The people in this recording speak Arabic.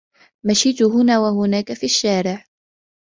مشيتُ هنا وهناك في الشارع.